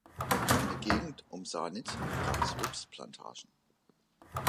In der Gegend um Sanitz gab es Obstplantagen.